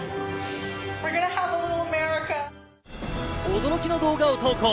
驚きの動画を投稿。